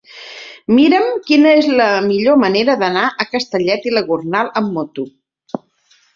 Mira'm quina és la millor manera d'anar a Castellet i la Gornal amb moto.